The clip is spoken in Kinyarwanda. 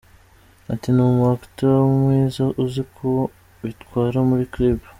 Ati “ Ni umu actor mwiza uzi uko bitwara muri clip.